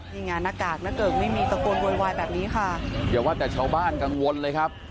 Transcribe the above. นี่ไงหน้ากากหน้าเกิกไม่มีตะโกนโวยวายแบบนี้ค่ะอย่าว่าแต่ชาวบ้านกังวลเลยครับ